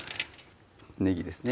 ねぎですね